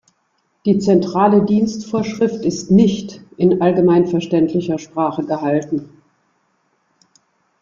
Die Zentrale Dienstvorschrift ist nicht in allgemeinverständlicher Sprache gehalten.